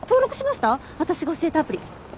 私が教えたアプリ。